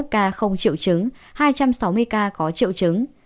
sáu năm mươi một ca không triệu chứng hai trăm sáu mươi ca có triệu chứng